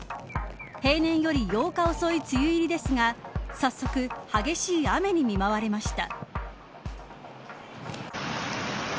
平年より８日遅い梅雨入りですが早速激しい雨に見舞われました。